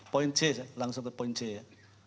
poin c langsung ke poin c ya